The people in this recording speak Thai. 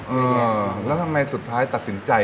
ใครที่จะออกจากอาชีพที่เรารักมาทำธุรกิจตัวเองล่ะ